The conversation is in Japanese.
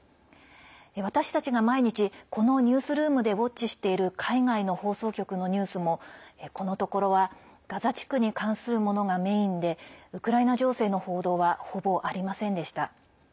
私たちが毎日このニュースルームでウォッチしている海外の放送局のニュースもこのところはガザ地区に関するものがメインでウクライナ情勢の報道はほぼありませんでした。